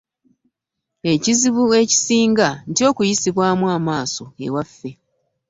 Ekizibu ekisinga ntya okuyisibwamu amaaso ewaffe.